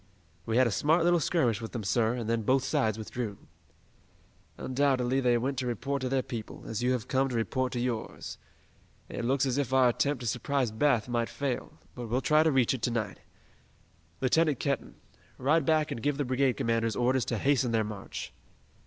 "We had a smart little skirmish with them, sir, and then both sides withdrew." "Undoubtedly they went to report to their people, as you have come to report to yours. It looks as if our attempt to surprise Bath might fail, but we'll try to reach it to night. Lieutenant Kenton, ride back and give the brigade commanders orders to hasten their march."